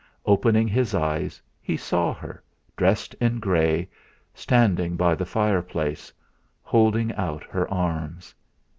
Opening his eyes he saw her, dressed in grey, standing by the fireplace, holding out her arms.